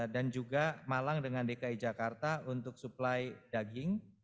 dan juga malang dengan dki jakarta untuk suplai daging